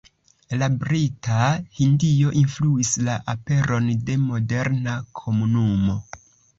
La Brita Hindio influis la aperon de moderna komunumo.